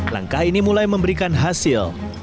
langkah ini mulai memberikan hasil